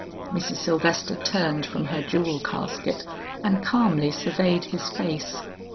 Mrs. Sylvester turned from her jewel casket and calmly surveyed his face.